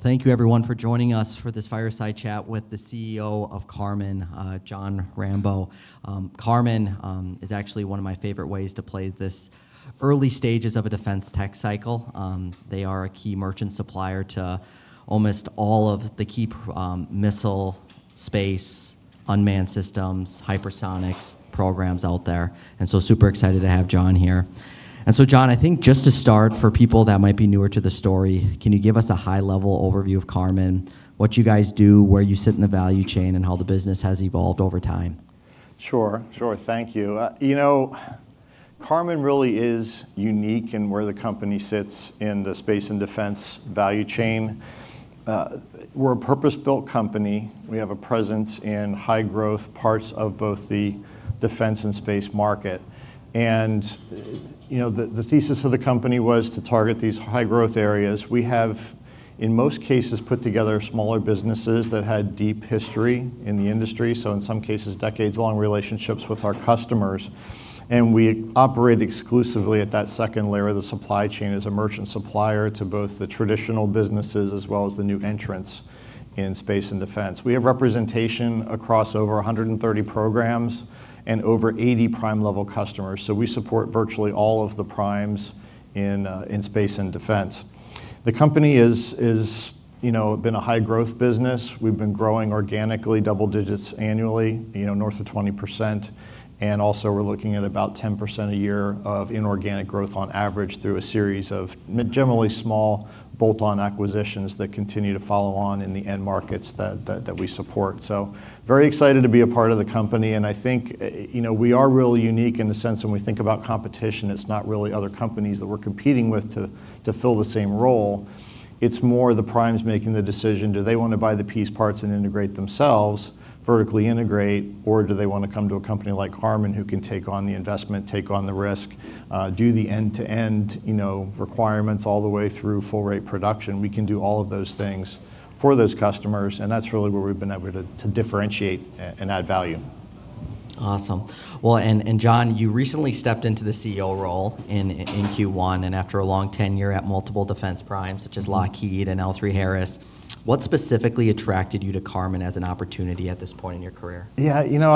Well, thank you everyone for joining us for this fireside chat with the CEO of Karman, Jon Rambeau. Karman is actually one of my favorite ways to play this early stages of a defense tech cycle. They are a key merchant supplier to almost all of the key missile space, unmanned systems, hypersonics programs out there. Super excited to have Jon here. Jon, I think just to start for people that might be newer to the story, can you give us a high level overview of Karman? What you guys do, where you sit in the value chain, and how the business has evolved over time. Sure. Thank you. You know, Karman really is unique in where the company sits in the Space & Defense value chain. We're a purpose-built company. We have a presence in high growth parts of both the defense and space market. You know, the thesis of the company was to target these high growth areas. We have, in most cases, put together smaller businesses that had deep history in the industry. In some cases, decades long relationships with our customers. We operate exclusively at that second layer of the supply chain as a merchant supplier to both the traditional businesses as well as the new entrants in Space & Defense. We have representation across over 130 programs and over 80 prime level customers. We support virtually all of the primes in Space & Defense. The company is, you know, been a high growth business. We've been growing organically double digits annually, you know, north of 20%. Also we're looking at about 10% a year of inorganic growth on average through a series of generally small bolt-on acquisitions that continue to follow on in the end markets that we support. Very excited to be a part of the company, and I think, you know, we are really unique in the sense when we think about competition, it's not really other companies that we're competing with to fill the same role. It's more the primes making the decision, do they wanna buy the piece parts and integrate themselves, vertically integrate, or do they wanna come to a company like Karman who can take on the investment, take on the risk, do the end-to-end, you know, requirements all the way through full rate production. We can do all of those things for those customers, and that's really where we've been able to differentiate and add value. Awesome. Well, Jon, you recently stepped into the CEO role in Q1, after a long tenure at multiple defense primes such as Lockheed and L3Harris. What specifically attracted you to Karman as an opportunity at this point in your career? Yeah, you know,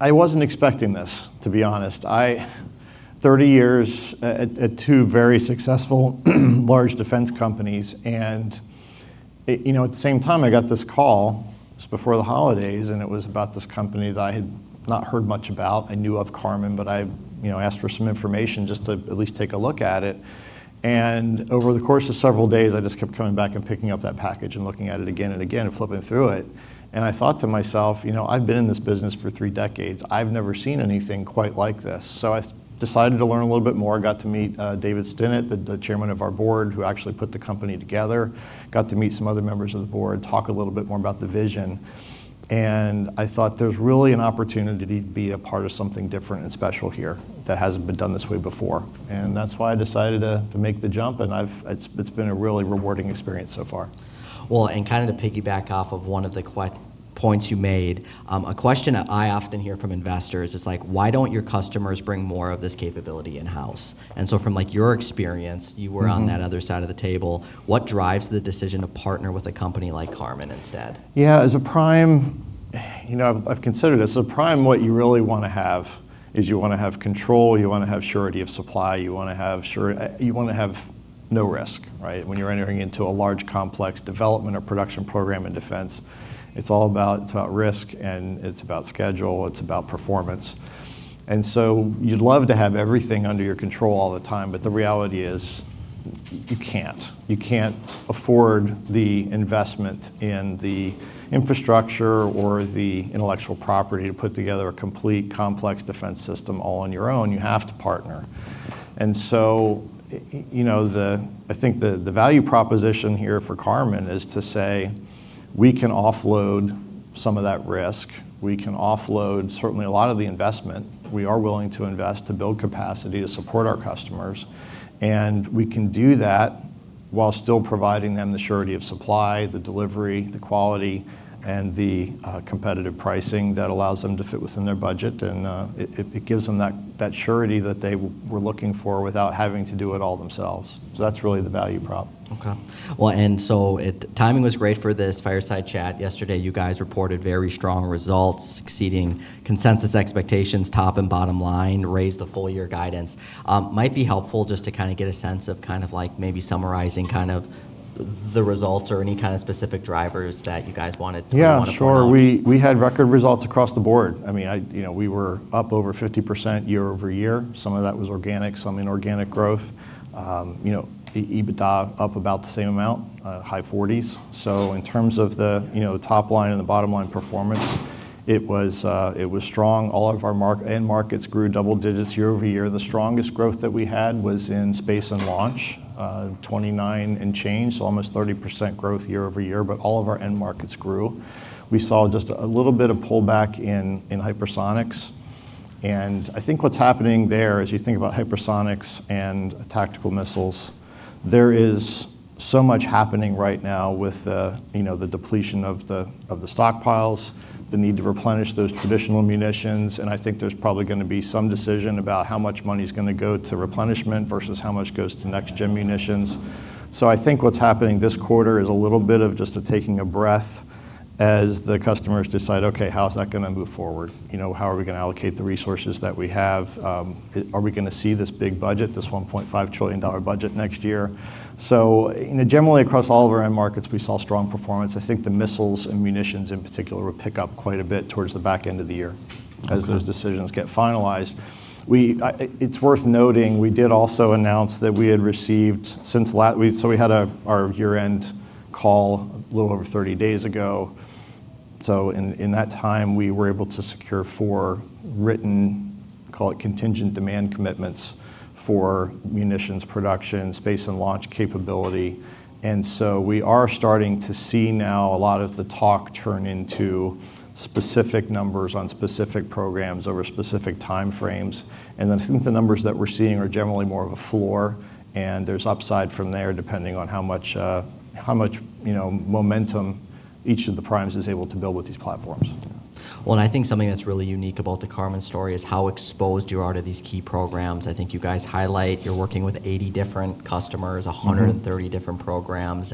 I wasn't expecting this, to be honest. 30 years at two very successful large defense companies. You know, at the same time, I got this call, it's before the holidays, it was about this company that I had not heard much about. I knew of Karman, I, you know, asked for some information just to at least take a look at it. Over the course of several days, I just kept coming back and picking up that package and looking at it again and again and flipping through it. I thought to myself, "You know, I've been in this business for three decades. I've never seen anything quite like this." I decided to learn a little bit more. Got to meet David Stinnett, the Chairman of our Board, who actually put the company together. Got to meet some other members of the Board, talk a little bit more about the vision. I thought there's really an opportunity to be a part of something different and special here that hasn't been done this way before. That's why I decided to make the jump. It's been a really rewarding experience so far. Well, kinda to piggyback off of one of the points you made, a question I often hear from investors is like, Why don't your customers bring more of this capability in-house? From like your experience. you were on that other side of the table, what drives the decision to partner with a company like Karman instead? Yeah. As a prime, you know, I've considered this. As a prime, what you really wanna have is you wanna have control, you wanna have surety of supply, you wanna have no risk, right? When you're entering into a large, complex development or production program in defense, it's all about risk and it's about schedule, it's about performance. You'd love to have everything under your control all the time. The reality is you can't. You can't afford the investment in the infrastructure or the intellectual property to put together a complete, complex defense system all on your own. You have to partner. You know, I think the value proposition here for Karman is to say, we can offload some of that risk. We can offload certainly a lot of the investment. We are willing to invest to build capacity to support our customers, we can do that while still providing them the surety of supply, the delivery, the quality, and the competitive pricing that allows them to fit within their budget. It gives them that surety that they were looking for without having to do it all themselves. That's really the value prop. Okay. Well, timing was great for this fireside chat. Yesterday, you guys reported very strong results exceeding consensus expectations, top and bottom line, raised the full year guidance. Might be helpful just to kind of get a sense of summarizing the results or any specific drivers that you guys want to point out. Yeah, sure. We had record results across the board. I mean, you know, we were up over 50% year-over-year. Some of that was organic, some inorganic growth. You know, EBITDA up about the same amount, high 40%s. In terms of the, you know, top line and the bottom line performance, it was strong. All of our end markets grew double digits year-over-year. The strongest growth that we had was in Space & Launch. 29% and change, so almost 30% growth year-over-year. All of our end markets grew. We saw just a little bit of pullback in hypersonics. I think what's happening there, as you think about hypersonics and tactical missiles, there is so much happening right now with, you know, the depletion of the stockpiles, the need to replenish those traditional munitions, and I think there's probably gonna be some decision about how much money's gonna go to replenishment versus how much goes to next-gen munitions. I think what's happening this quarter is a little bit of just taking a breath as the customers decide. Okay, how is that going to move forward? You know, how are we going to allocate the resources that we have? Are we going to see this big budget, this $1.5 trillion budget next year? Generally across all of our end markets, we saw strong performance. I think the missiles and munitions in particular will pick up quite a bit towards the back end of the year. As those decisions get finalized. It's worth noting we did also announce that we had received since last week. We had our year-end call a little over 30 days ago. In that time, we were able to secure four written, call it contingent demand commitments for munitions production, Space & Launch capability. We are starting to see now a lot of the talk turn into specific numbers on specific programs over specific time frames. I think the numbers that we're seeing are generally more of a floor. There's upside from there depending on how much momentum each of the primes is able to build with these platforms. I think something that's really unique about the Karman story is how exposed you are to these key programs. I think you guys highlight you're working with 80 different customers, 130 different programs.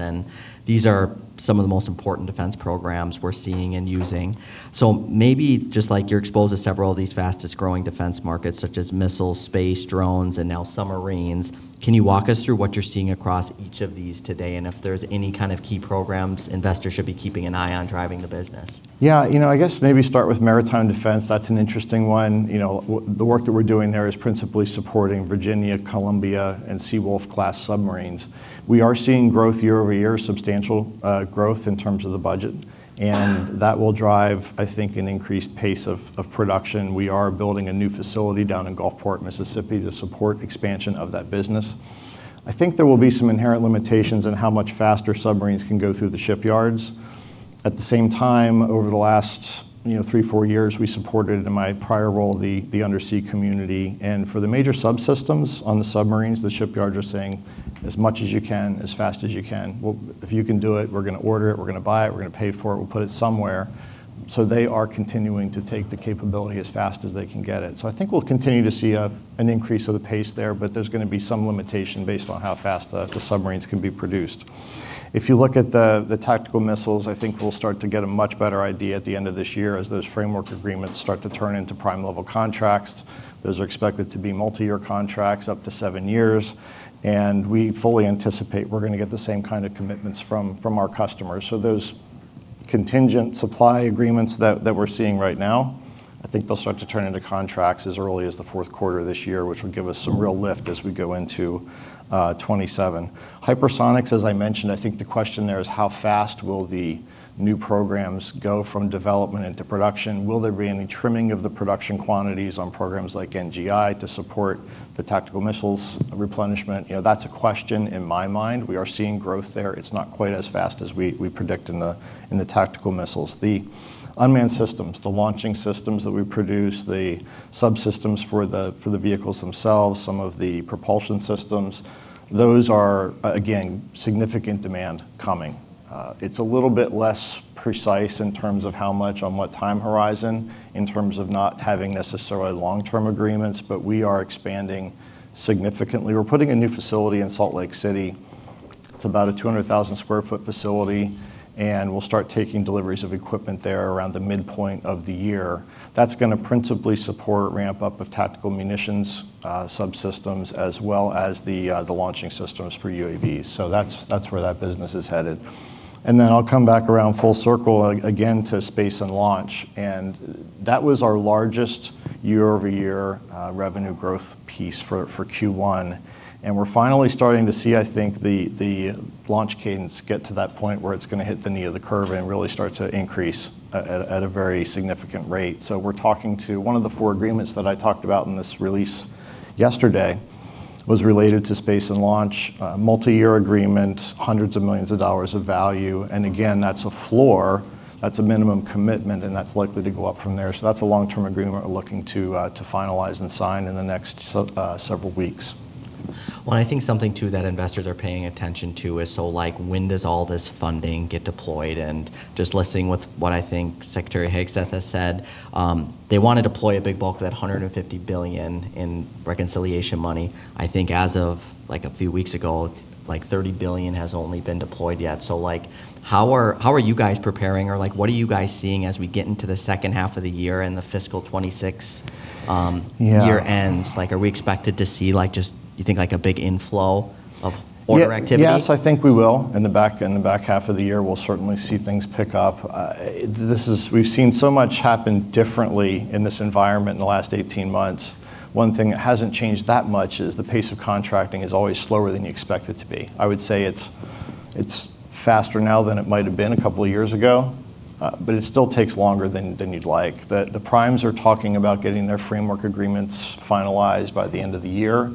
These are some of the most important defense programs we're seeing and using. Maybe just like you're exposed to several of these fastest growing defense markets, such as missiles, space, drones, and now submarines. Can you walk us through what you're seeing across each of these today? If there's any kind of key programs investors should be keeping an eye on driving the business? Yeah, you know, I guess maybe start with maritime defense. That's an interesting one. You know, the work that we're doing there is principally supporting Virginia, Columbia, and Seawolf class submarines. We are seeing growth year-over-year, substantial growth in terms of the budget. That will drive, I think, an increased pace of production. We are building a new facility down in Gulfport, Mississippi, to support expansion of that business. I think there will be some inherent limitations on how much faster submarines can go through the shipyards. At the same time, over the last three, four years, we supported in my prior role the undersea community. For the major subsystems on the submarines, the shipyards are saying as much as you can, as fast as you can. If you can do it, we're going to order it. We're going to buy it. We're going to pay for it. We'll put it somewhere. They are continuing to take the capability as fast as they can get it. I think we'll continue to see an increase of the pace there. There's going to be some limitation based on how fast the submarines can be produced. If you look at the tactical missiles, I think we'll start to get a much better idea at the end of this year as those framework agreements start to turn into prime level contracts. Those are expected to be multi-year contracts up to seven years. We fully anticipate we're going to get the same kind of commitments from our customers. Those contingent supply agreements that we're seeing right now, I think they'll start to turn into contracts as early as the fourth quarter this year, which would give us some real lift as we go into 2027. Hypersonics, as I mentioned, I think the question there is how fast will the new programs go from development into production? Will there be any trimming of the production quantities on programs like NGI to support the tactical missiles replenishment? That's a question in my mind. We are seeing growth there. It's not quite as fast as we predict in the tactical missiles. The unmanned systems, the launching systems that we produce, the subsystems for the vehicles themselves, some of the propulsion systems, those are, again, significant demand coming. It's a little bit less precise in terms of how much on what time horizon in terms of not having necessarily long-term agreements. We are expanding significantly. We're putting a new facility in Salt Lake City. It's about a 200,000 sq ft facility. We'll start taking deliveries of equipment there around the midpoint of the year. That's going to principally support ramp up of tactical munitions subsystems as well as the launching systems for UAVs. That's where that business is headed. I'll come back around full circle again to Space & Launch. That was our largest year-over-year revenue growth piece for Q1. We're finally starting to see, I think, the launch cadence get to that point where it's going to hit the knee of the curve and really start to increase at a very significant rate. We're talking to one of the four agreements that I talked about in this release yesterday was related to Space & Launch, multi-year agreement, hundreds of millions of dollars of value. Again, that's a floor. That's a minimum commitment, and that's likely to go up from there. That's a long-term agreement we're looking to finalize and sign in the next several weeks. Well, I think something, too, that investors are paying attention to is so like when does all this funding get deployed? Just listening with what I think Secretary Hegseth has said, they want to deploy a big bulk of that $150 billion in reconciliation money. I think as of like a few weeks ago, like $30 billion has only been deployed yet. Like how are you guys preparing or like what are you guys seeing as we get into the second half of the year and the fiscal 2026 year ends? Like are we expected to see like just you think like a big inflow of order activity? Yes, I think we will. In the back half of the year, we'll certainly see things pick up. We've seen so much happen differently in this environment in the last 18 months. One thing that hasn't changed that much is the pace of contracting is always slower than you expect it to be. I would say it's faster now than it might have been a couple of years ago, but it still takes longer than you'd like. The primes are talking about getting their framework agreements finalized by the end of the year.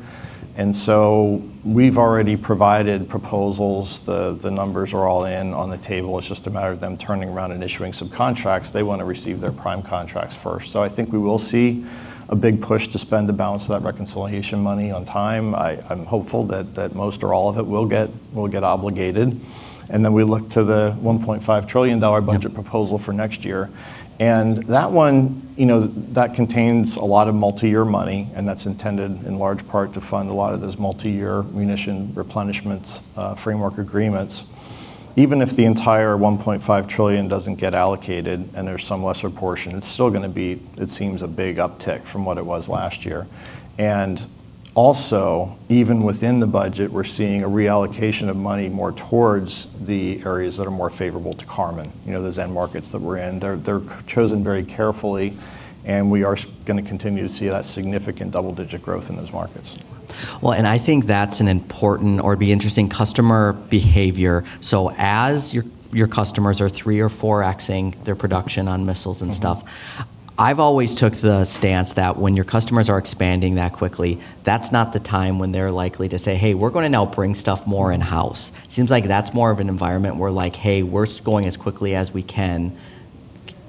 We've already provided proposals. The numbers are all in on the table. It's just a matter of them turning around and issuing some contracts. They want to receive their prime contracts first. I think we will see a big push to spend the balance of that reconciliation money on time. I'm hopeful that most or all of it will get obligated. We look to the $1.5 trillion budget proposal for next year. That one, you know, that contains a lot of multi-year money, and that's intended in large part to fund a lot of those multi-year munition replenishments framework agreements. Even if the entire $1.5 trillion doesn't get allocated, and there's some lesser portion, it's still gonna be, it seems, a big uptick from what it was last year. Also, even within the budget, we're seeing a reallocation of money more towards the areas that are more favorable to Karman. You know, those end markets that we're in, they're chosen very carefully, and we are gonna continue to see that significant double-digit growth in those markets. I think that's an important or it'd be interesting customer behavior. As your customers are 3x or 4x-ing their production on missiles and stuff. I've always took the stance that when your customers are expanding that quickly, that's not the time when they're likely to say, "Hey, we're gonna now bring stuff more in-house." Seems like that's more of an environment where like, "Hey, we're going as quickly as we can."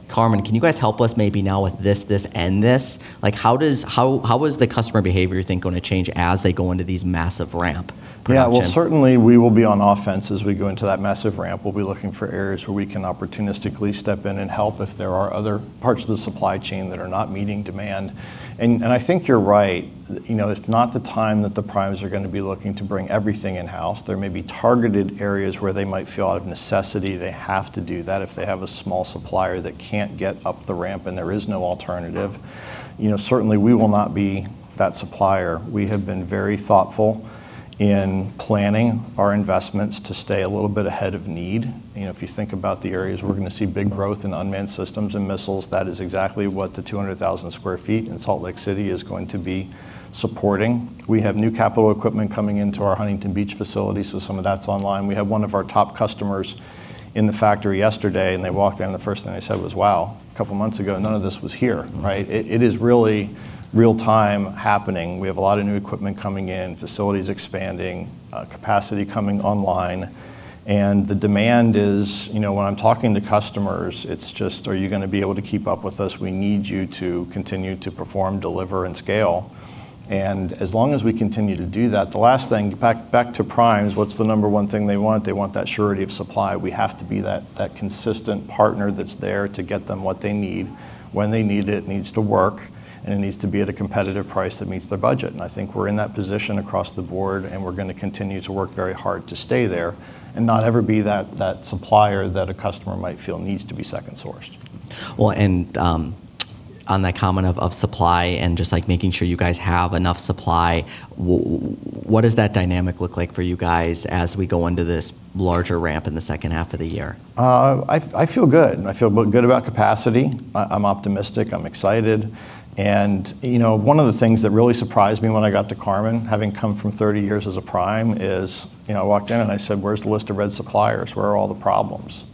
Karman, can you guys help us maybe now with this, and this? Like, how does, how is the customer behavior, you think, gonna change as they go into these massive ramp programs? Yeah, well certainly we will be on offense as we go into that massive ramp. We'll be looking for areas where we can opportunistically step in and help if there are other parts of the supply chain that are not meeting demand. I think you're right. You know, it's not the time that the primes are going to be looking to bring everything in-house. There may be targeted areas where they might feel out of necessity they have to do that if they have a small supplier that can't get up the ramp and there is no alternative. You know, certainly we will not be that supplier. We have been very thoughtful in planning our investments to stay a little bit ahead of need. You know, if you think about the areas we're going to see big growth in unmanned systems and missiles, that is exactly what the 200,000 sq ft in Salt Lake City is going to be supporting. We have new capital equipment coming into our Huntington Beach facility. Some of that's online. We had one of our top customers in the factory yesterday. They walked in and the first thing they said was, "Wow. A couple months ago, none of this was here," right? It is really real-time happening. We have a lot of new equipment coming in, facilities expanding, capacity coming online. The demand is, you know, when I'm talking to customers, it's just, "Are you going to be able to keep up with us? We need you to continue to perform, deliver, and scale. As long as we continue to do that, the last thing, back to primes, what's the number one thing they want? They want that surety of supply. We have to be that consistent partner that's there to get them what they need when they need it needs to work, and it needs to be at a competitive price that meets their budget. I think we're in that position across the board, and we're going to continue to work very hard to stay there and not ever be that supplier that a customer might feel needs to be second sourced. On that comment of supply and just, like, making sure you guys have enough supply, what does that dynamic look like for you guys as we go into this larger ramp in the second half of the year? I feel good. I feel good about capacity. I'm optimistic. I'm excited. You know, one of the things that really surprised me when I got to Karman, having come from 30 years as a prime, is, you know, I walked in and I said, "Where's the list of red suppliers? Where are all the problems?"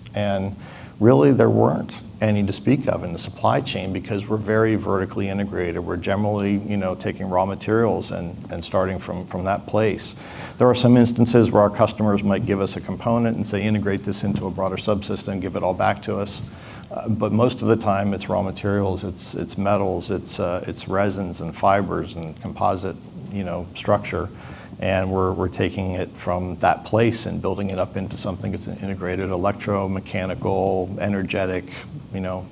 Really there weren't any to speak of in the supply chain because we're very vertically integrated. We're generally, you know, taking raw materials and starting from that place. There are some instances where our customers might give us a component and say, "Integrate this into a broader subsystem. Give it all back to us." Most of the time it's raw materials, it's metals, it's resins and fibers and composite structure, and we're taking it from that place and building it up into something that's an integrated electro-mechanical, energetic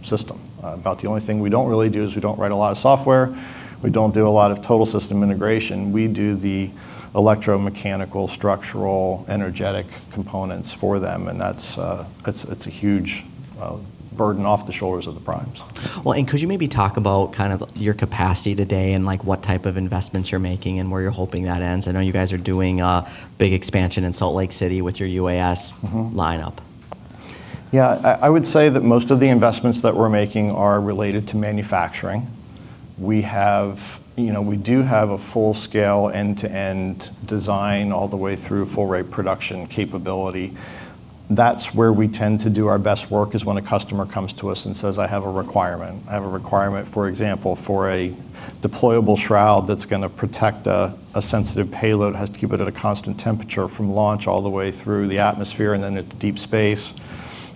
system. About the only thing we don't really do is we don't write a lot of software. We don't do a lot of total system integration. We do the electro-mechanical structural energetic components for them, that's a huge burden off the shoulders of the primes. Well, could you maybe talk about kind of your capacity today and, like, what type of investments you're making and where you're hoping that ends? I know you guys are doing a big expansion in Salt Lake City with your UAS lineup. Yeah. I would say that most of the investments that we're making are related to manufacturing. We have, you know, we do have a full-scale end-to-end design all the way through full rate production capability. That's where we tend to do our best work, is when a customer comes to us and says, "I have a requirement." I have a requirement, for example, for a deployable shroud that's gonna protect a sensitive payload. It has to keep it at a constant temperature from launch all the way through the atmosphere and then into deep space.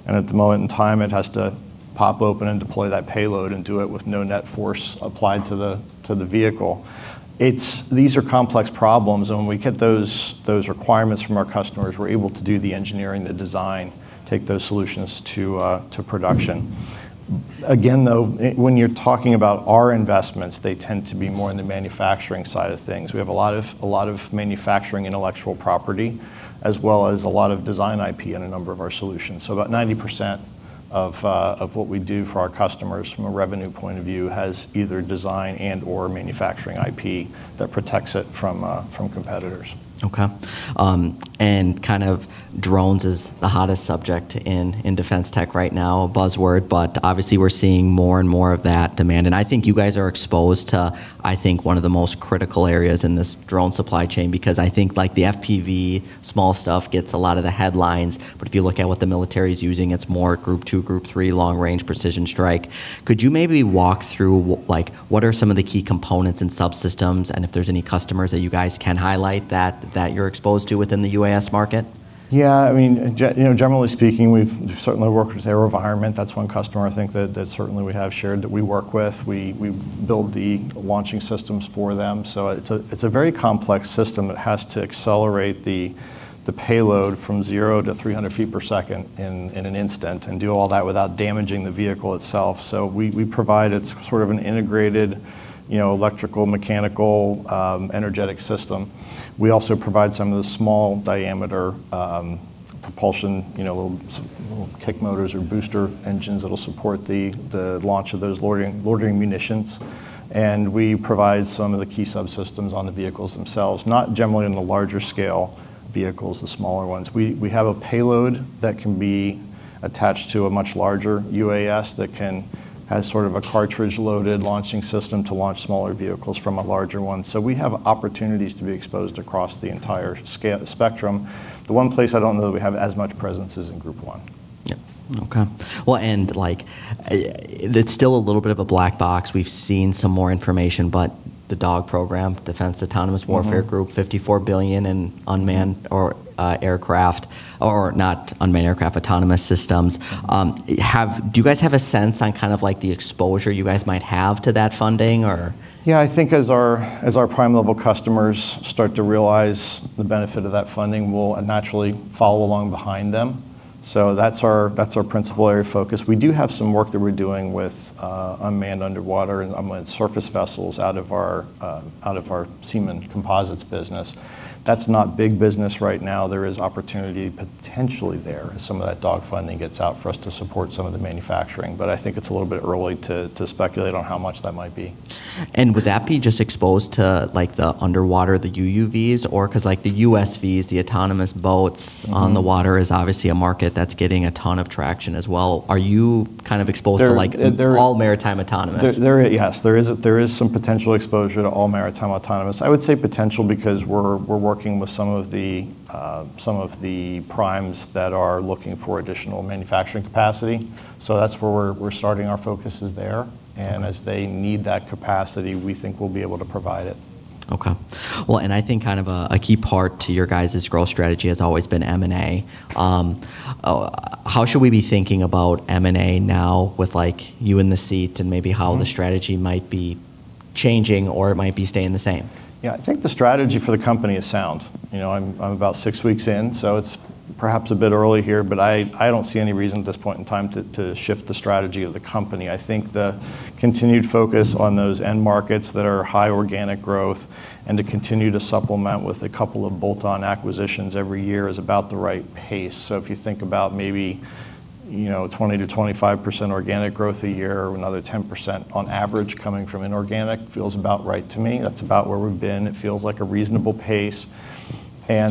At the moment in time it has to pop open and deploy that payload and do it with no net force applied to the vehicle. These are complex problems. When we get those requirements from our customers, we're able to do the engineering, the design, take those solutions to production. Again, though, when you're talking about our investments, they tend to be more in the manufacturing side of things. We have a lot of manufacturing intellectual property as well as a lot of design IP in a number of our solutions. About 90% of what we do for our customers from a revenue point of view has either design and/or manufacturing IP that protects it from competitors. Okay. Kind of drones is the hottest subject in defense tech right now. A buzzword, but obviously we're seeing more and more of that demand. I think you guys are exposed to, I think, one of the most critical areas in this drone supply chain because I think, like, the FPV small stuff gets a lot of the headlines, but if you look at what the military's using, it's more group 2, group 3 long-range precision strike. Could you maybe walk through like, what are some of the key components and subsystems, and if there's any customers that you guys can highlight that you're exposed to within the UAS market? I mean, you know, generally speaking, we've certainly worked with AeroVironment. That's one customer I think that certainly we have shared that we work with. We build the launching systems for them. It's a very complex system that has to accelerate the payload from zero to 300 ft per second in an instant and do all that without damaging the vehicle itself. We provide, it's sort of an integrated, you know, electrical, mechanical, energetic system. We also provide some of the small diameter propulsion, you know, kick motors or booster engines that'll support the launch of those loa munitions, and we provide some of the key subsystems on the vehicles themselves, not generally in the larger scale vehicles, the smaller ones. We have a payload that can be attached to a much larger UAS that has sort of a cartridge-loaded launching system to launch smaller vehicles from a larger one. We have opportunities to be exposed across the entire spectrum. The one place I don't know that we have as much presence is in group 1. Yeah. Okay. Well, like, it's still a little bit of a black box. We've seen some more information. The DAWG program, Defense Autonomous Warfare Group, $54 billion in autonomous systems. Do you guys have a sense on kind of like the exposure you guys might have to that funding or? Yeah, I think as our, as our prime level customers start to realize the benefit of that funding, we'll naturally follow along behind them. That's our, that's our principal area of focus. We do have some work that we're doing with unmanned underwater and unmanned surface vessels out of our, out of our Seemann Composites business. That's not big business right now. There is opportunity potentially there as some of that DAWG funding gets out for us to support some of the manufacturing. I think it's a little bit early to speculate on how much that might be. Would that be just exposed to the underwater, the UUVs or 'cause the USVs, the autonomous boats on the water is obviously a market that's getting a ton of traction as well? Are you kind of exposed to all maritime autonomous? There, yes, there is some potential exposure to all maritime autonomous. I would say potential because we're working with some of the, some of the primes that are looking for additional manufacturing capacity. That's where we're starting our focus is there. As they need that capacity, we think we'll be able to provide it. Okay. Well, I think kind of a key part to your guys' growth strategy has always been M&A. How should we be thinking about M&A now with like you in the seat, and maybe how the strategy might be changing or it might be staying the same? I think the strategy for the company is sound. You know, I'm about six weeks in, so it's perhaps a bit early here, but I don't see any reason at this point in time to shift the strategy of the company. I think the continued focus on those end markets that are high organic growth and to continue to supplement with a couple of bolt-on acquisitions every year is about the right pace. If you think about maybe, you know, 20%-25% organic growth a year or another 10% on average coming from inorganic feels about right to me. That's about where we've been. It feels like a reasonable pace.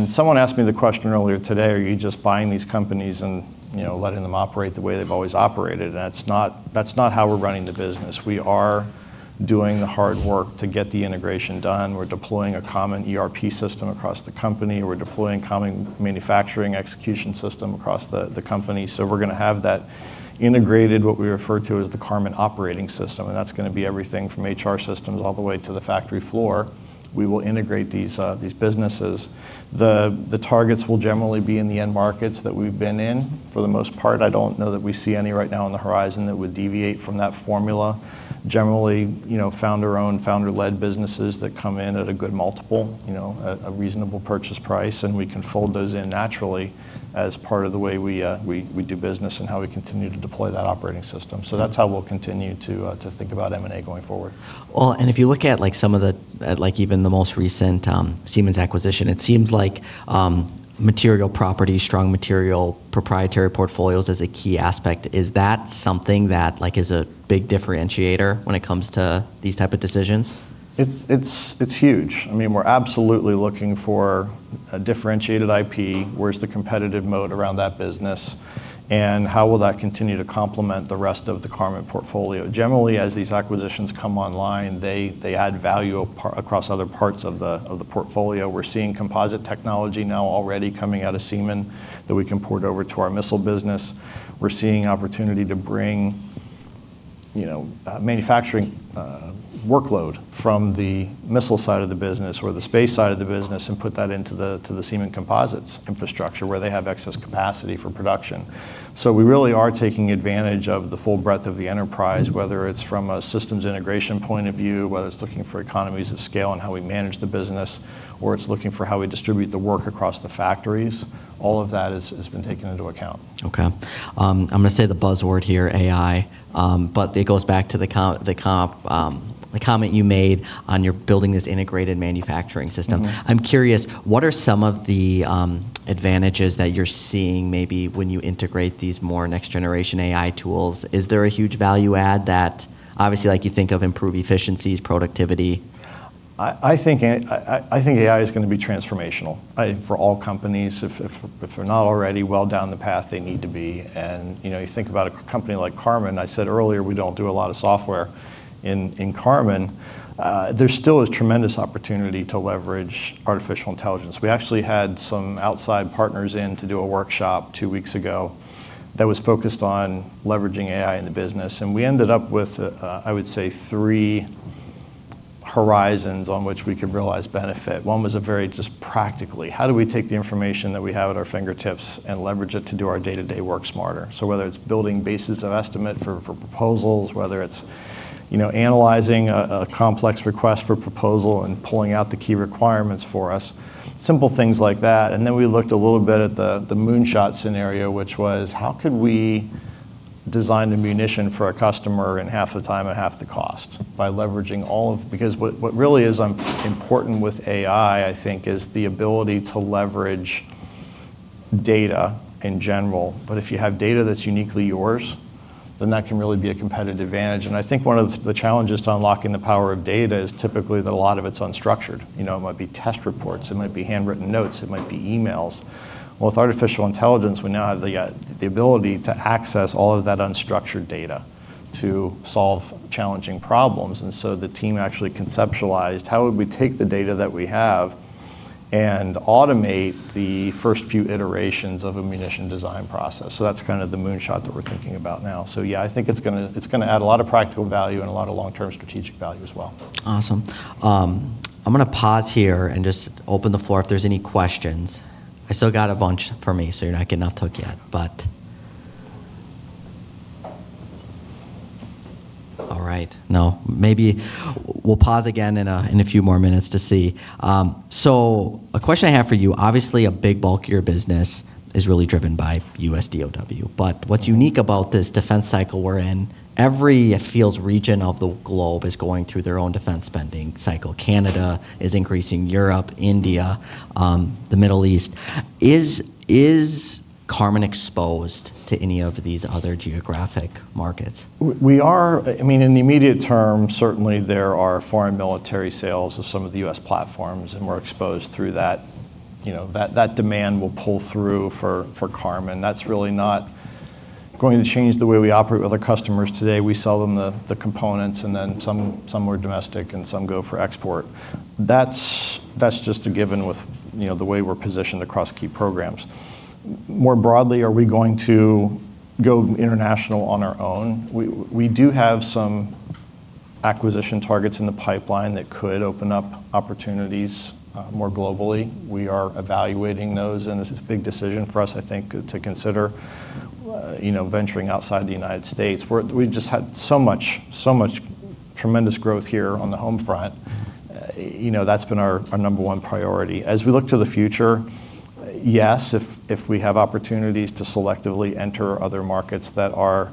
Someone asked me the question earlier today, "Are you just buying these companies and, you know, letting them operate the way they've always operated?" That's not, that's not how we're running the business. We are doing the hard work to get the integration done. We're deploying a common ERP system across the company. We're deploying common manufacturing execution system across the company. We're gonna have that integrated, what we refer to as the Karman Operating System, and that's gonna be everything from HR systems all the way to the factory floor. We will integrate these businesses. The targets will generally be in the end markets that we've been in for the most part. I don't know that we see any right now on the horizon that would deviate from that formula. Generally, you know, founder-owned, founder-led businesses that come in at a good multiple, you know, at a reasonable purchase price, and we can fold those in naturally as part of the way we do business and how we continue to deploy that operating system. That's how we'll continue to think about M&A going forward. If you look at like some of the, like even the most recent, Seemann's acquisition, it seems like, material property, strong material proprietary portfolios is a key aspect. Is that something that like is a big differentiator when it comes to these type of decisions? It's huge. I mean, we're absolutely looking for a differentiated IP. Where's the competitive mode around that business, and how will that continue to complement the rest of the Karman portfolio? Generally, as these acquisitions come online, they add value across other parts of the portfolio. We're seeing composite technology now already coming out of Seemann that we can port over to our missile business. We're seeing opportunity to bring, you know, manufacturing workload from the missile side of the business or the space side of the business and put that into the Seemann Composites infrastructure where they have excess capacity for production. We really are taking advantage of the full breadth of the enterprise, whether it's from a systems integration point of view, whether it's looking for economies of scale and how we manage the business, or it's looking for how we distribute the work across the factories. All of that has been taken into account. Okay. I'm gonna say the buzzword here, AI, but it goes back to the comment you made on you're building this integrated manufacturing system. I'm curious, what are some of the advantages that you're seeing maybe when you integrate these more next-generation AI tools? Is there a huge value add that obviously like you think of improved efficiencies, productivity? I think AI is gonna be transformational for all companies if they're not already well down the path they need to be. You know, you think about a company like Karman, I said earlier, we don't do a lot of software in Karman. There still is tremendous opportunity to leverage artificial intelligence. We actually had some outside partners in to do a workshop two weeks ago that was focused on leveraging AI in the business, and we ended up with, I would say three horizons on which we could realize benefit. One was a very just practically, how do we take the information that we have at our fingertips and leverage it to do our day-to-day work smarter? Whether it's building basis of estimate for proposals, whether it's, you know, analyzing a complex request for proposal and pulling out the key requirements for us, simple things like that. Then we looked a little bit at the moonshot scenario, which was, how could we design the munition for our customer in half the time at half the cost by leveraging all of because what really is important with AI, I think, is the ability to leverage data in general. If you have data that's uniquely yours, then that can really be a competitive advantage. I think one of the challenges to unlocking the power of data is typically that a lot of it's unstructured. You know, it might be test reports, it might be handwritten notes, it might be emails. Well, with artificial intelligence, we now have the ability to access all of that unstructured data to solve challenging problems. The team actually conceptualized how would we take the data that we have and automate the first few iterations of a munition design process. That's kind of the moonshot that we're thinking about now. Yeah, I think it's gonna add a lot of practical value and a lot of long-term strategic value as well. Awesome. I'm gonna pause here and just open the floor if there's any questions. I still got a bunch for me, so you're not getting off the hook yet, All right. No. Maybe we'll pause again in a few more minutes to see. A question I have for you. Obviously, a big bulk of your business is really driven by U.S. DoD. What's unique about this defense cycle we're in, every region of the globe is going through their own defense spending cycle. Canada is increasing, Europe, India, the Middle East. Is Karman exposed to any of these other geographic markets? I mean, in the immediate term, certainly there are Foreign Military Sales of some of the U.S. platforms, and we're exposed through that. You know, that demand will pull through for Karman. That's really not going to change the way we operate with our customers today. We sell them the components, then some are domestic and some go for export. That's just a given with, you know, the way we're positioned across key programs. More broadly, are we going to go international on our own? We do have some acquisition targets in the pipeline that could open up opportunities more globally. We are evaluating those, it's a big decision for us, I think, to consider, you know, venturing outside the United States. We've just had so much tremendous growth here on the home front. You know, that's been our number one priority. As we look to the future, yes, if we have opportunities to selectively enter other markets that are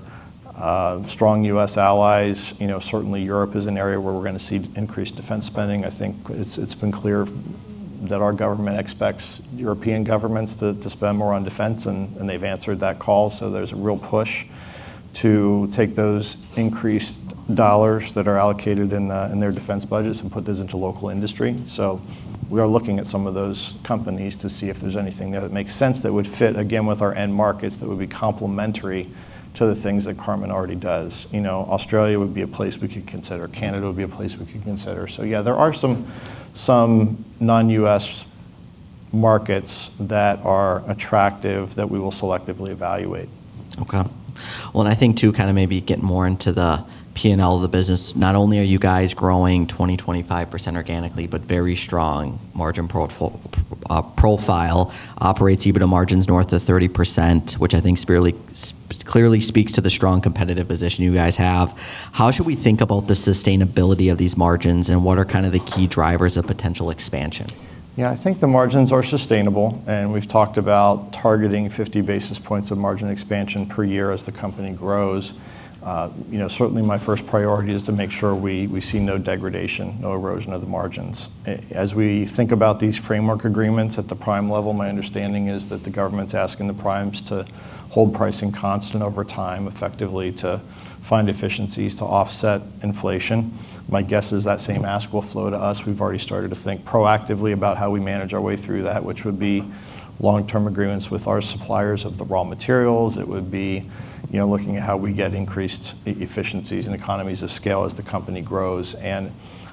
strong U.S. allies, you know, certainly Europe is an area where we're gonna see increased defense spending. I think it's been clear that our government expects European governments to spend more on defense, and they've answered that call. There's a real push to take those increased dollars that are allocated in their defense budgets and put those into local industry. We are looking at some of those companies to see if there's anything there that makes sense that would fit, again, with our end markets that would be complementary to the things that Karman already does. You know, Australia would be a place we could consider. Canada would be a place we could consider. Yeah, there are some non-U.S. markets that are attractive that we will selectively evaluate. Okay. Well, and I think too, kinda maybe getting more into the P&L of the business, not only are you guys growing 20%-25% organically, but very strong margin profile, operates EBITDA margins north of 30%, which I think clearly speaks to the strong competitive position you guys have. How should we think about the sustainability of these margins, and what are kinda the key drivers of potential expansion? Yeah, I think the margins are sustainable, and we've talked about targeting 50 basis points of margin expansion per year as the company grows. You know, certainly my first priority is to make sure we see no degradation, no erosion of the margins. As we think about these framework agreements at the prime level, my understanding is that the government's asking the primes to hold pricing constant over time effectively to find efficiencies to offset inflation. My guess is that same ask will flow to us. We've already started to think proactively about how we manage our way through that, which would be long-term agreements with our suppliers of the raw materials. It would be, you know, looking at how we get increased efficiencies and economies of scale as the company grows.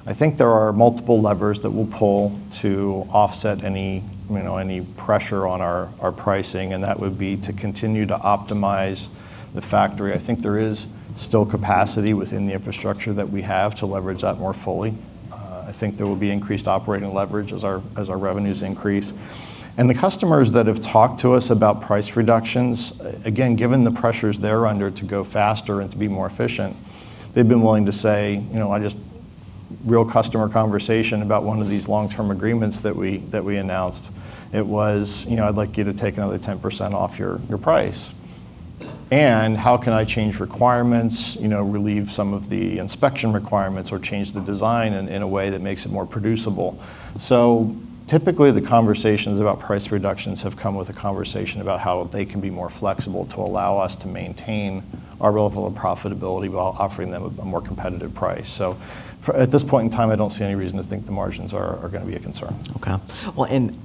I think there are multiple levers that we'll pull to offset any, you know, any pressure on our pricing, and that would be to continue to optimize the factory. I think there is still capacity within the infrastructure that we have to leverage that more fully. I think there will be increased operating leverage as our revenues increase. The customers that have talked to us about price reductions, again, given the pressures they're under to go faster and to be more efficient, they've been willing to say, you know, real customer conversation about one of these long-term agreements that we announced. It was, you know, "I'd like you to take another 10% off your price. How can I change requirements, you know, relieve some of the inspection requirements, or change the design in a way that makes it more producible? Typically, the conversations about price reductions have come with a conversation about how they can be more flexible to allow us to maintain our level of profitability while offering them a more competitive price. At this point in time, I don't see any reason to think the margins are gonna be a concern. Okay.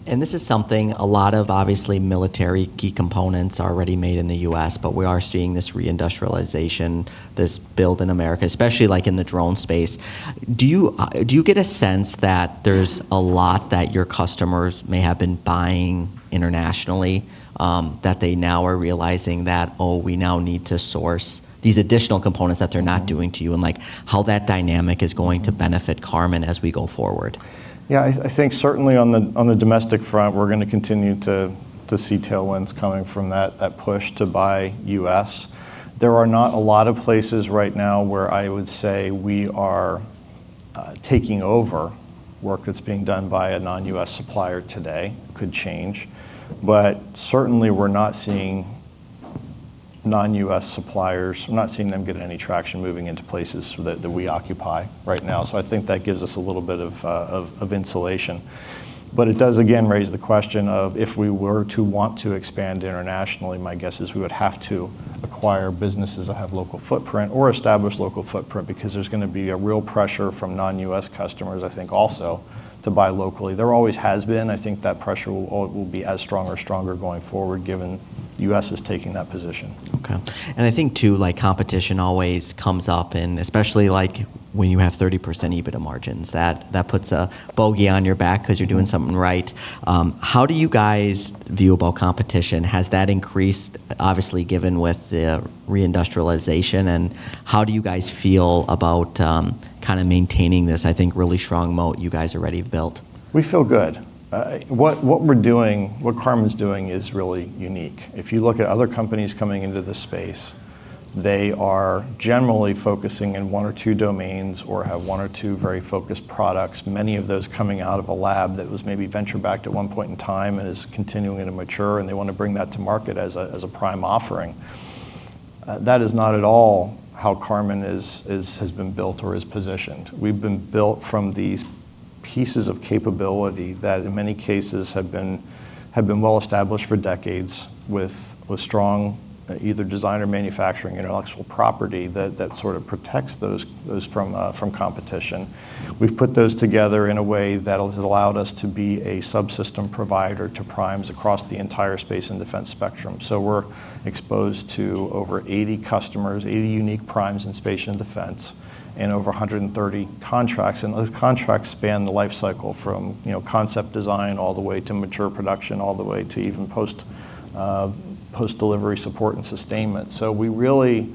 This is something a lot of, obviously, military key components are already made in the U.S., but we are seeing this reindustrialization, this build in America, especially like in the drone space. Do you get a sense that there's a lot that your customers may have been buying internationally, that they now are realizing that, oh, we now need to source these additional components that they're not doing to you, and like how that dynamic is going to benefit Karman as we go forward? Yeah, I think certainly on the domestic front, we're gonna continue to see tailwinds coming from that push to buy U.S. There are not a lot of places right now where I would say we are taking over work that's being done by a non-U.S. supplier today. Could change. Certainly we're not seeing non-U.S. suppliers get any traction moving into places that we occupy right now. I think that gives us a little bit of insulation. It does again raise the question of if we were to want to expand internationally, my guess is we would have to acquire businesses that have local footprint or establish local footprint because there's gonna be a real pressure from non-U.S. customers, I think also to buy locally. There always has been. I think that pressure will be as strong or stronger going forward given U.S. is taking that position. Okay. I think too, like competition always comes up and especially like when you have 30% EBITDA margins, that puts a bogey on your back 'cause you're doing something right. How do you guys view about competition? Has that increased, obviously given with the reindustrialization, and how do you guys feel about, kinda maintaining this, I think, really strong moat you guys already have built? We feel good. What, what we're doing, what Karman's doing is really unique. If you look at other companies coming into the space, they are generally focusing in one or two domains or have one or two very focused products, many of those coming out of a lab that was maybe venture-backed at one point in time and is continuing to mature, and they wanna bring that to market as a, as a prime offering. That is not at all how Karman has been built or is positioned. We've been built from these pieces of capability that in many cases have been well established for decades with strong either design or manufacturing intellectual property that sort of protects those from competition. We've put those together in a way that has allowed us to be a subsystem provider to primes across the entire Space & Defense spectrum. We're exposed to over 80 customers, 80 unique primes in Space & Defense, and over 130 contracts. Those contracts span the life cycle from, you know, concept design all the way to mature production, all the way to even post-delivery support and sustainment. We really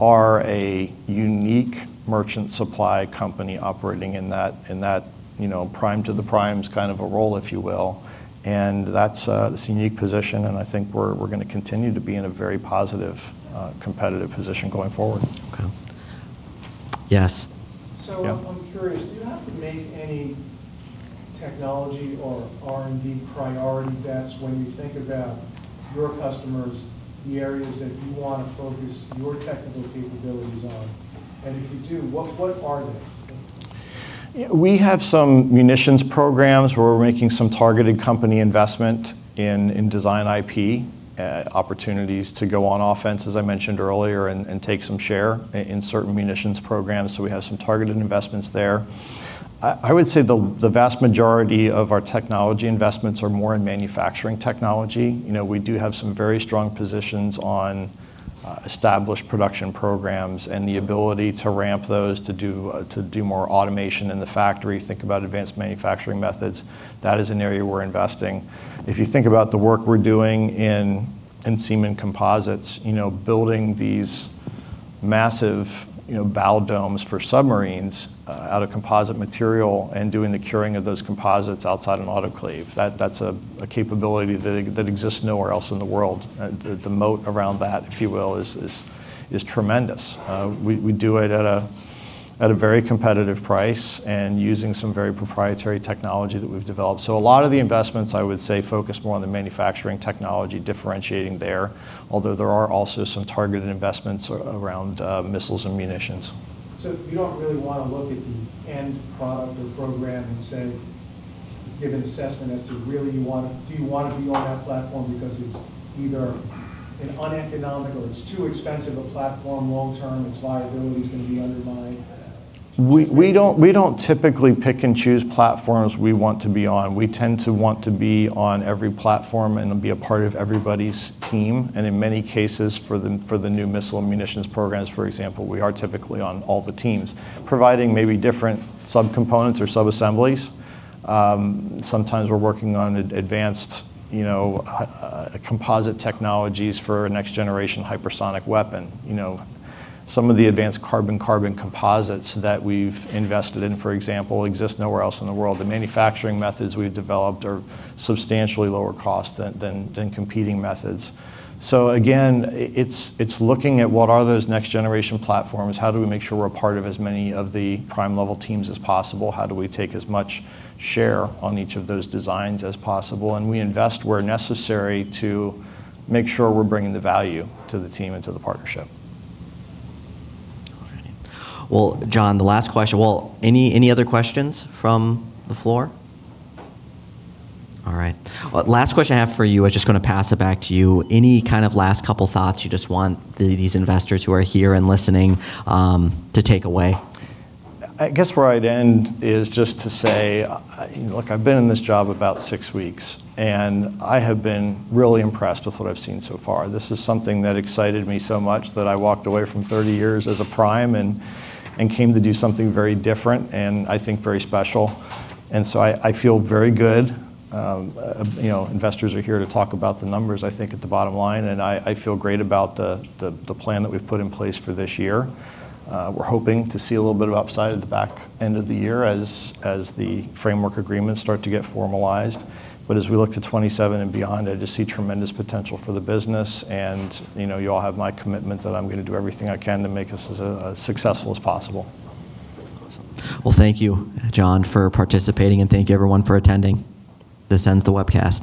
are a unique merchant supply company operating in that, in that, you know, prime to the primes kind of a role, if you will. That's this unique position, and I think we're gonna continue to be in a very positive competitive position going forward. Okay. Yes. So, I'm curious, do you have to make any technology or R&D priority bets when you think about your customers, the areas that you wanna focus your technical capabilities on? If you do, what are they? Yeah, we have some munitions programs where we're making some targeted company investment in design IP, opportunities to go on offense, as I mentioned earlier, and take some share in certain munitions programs, so we have some targeted investments there. I would say the vast majority of our technology investments are more in manufacturing technology. You know, we do have some very strong positions on established production programs and the ability to ramp those to do more automation in the factory, think about advanced manufacturing methods. That is an area we're investing. If you think about the work we're doing in Seemann Composites, you know, building these massive, you know, bow domes for submarines, out of composite material and doing the curing of those composites outside an autoclave, that's a capability that exists nowhere else in the world. The moat around that, if you will, is tremendous. We do it at a very competitive price and using some very proprietary technology that we've developed. A lot of the investments, I would say, focus more on the manufacturing technology differentiating there, although there are also some targeted investments around missiles and munitions. You don't really wanna look at the end product or program and say, give an assessment as to really do you wanna be on that platform because it's either an uneconomical, it's too expensive a platform long-term, its viability is gonna be undermined. We don't typically pick and choose platforms we want to be on. We tend to want to be on every platform and be a part of everybody's team. In many cases, for the new missile and munitions programs, for example, we are typically on all the teams, providing maybe different subcomponents or subassemblies. Sometimes we're working on advanced, you know, composite technologies for a next generation hypersonic weapon. You know, some of the advanced carbon-carbon composites that we've invested in, for example, exist nowhere else in the world. The manufacturing methods we've developed are substantially lower cost than competing methods. Again, it's looking at what are those next-generation platforms, how do we make sure we're a part of as many of the prime-level teams as possible, how do we take as much share on each of those designs as possible, and we invest where necessary to make sure we're bringing the value to the team and to the partnership. All righty. Well, Jon, Well, any other questions from the floor? All right. Last question I have for you, I'm just gonna pass it back to you. Any kind of last couple thoughts you just want these investors who are here and listening to take away? I guess where I'd end is just to say, you know, look, I've been in this job about six weeks, I have been really impressed with what I've seen so far. This is something that excited me so much that I walked away from 30 years as a prime and came to do something very different and I think very special. I feel very good. You know, investors are here to talk about the numbers, I think at the bottom line, I feel great about the plan that we've put in place for this year. We're hoping to see a little bit of upside at the back end of the year as the framework agreements start to get formalized. As we look to 2027 and beyond, I just see tremendous potential for the business and, you know, you all have my commitment that I'm gonna do everything I can to make us as successful as possible. Well, thank you, Jon, for participating, and thank you everyone for attending. This ends the webcast.